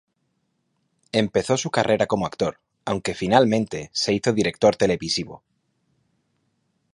Empezó su carrera como actor, aunque finalmente se hizo director televisivo.